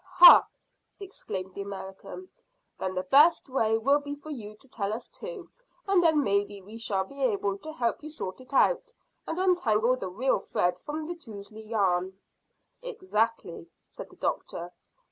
"Hah!" exclaimed the American. "Then the best way will be for you to tell us too, and then maybe we shall be able to help you sort it out, and untangle the real thread from the touzly yarn." "Exactly," said the doctor.